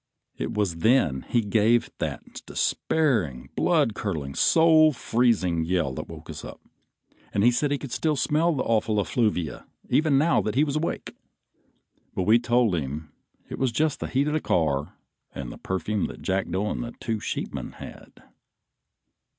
It was then he gave that despairing, blood curdling, soul freezing yell that woke us up, and he said he could still smell that awful effluvia even now that he was awake; but we told him it was just the heat of the car and the perfume that Jackdo and the two sheepmen had.